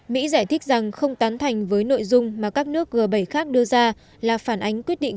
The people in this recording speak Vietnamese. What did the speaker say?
mỹ giải thích rằng không tán thành với nội dung mà các nước g bảy khác đưa ra là phản ánh quyết định